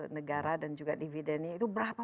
negara dan juga dividennya itu berapa